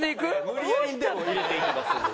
無理やりにでも入れていきますんで。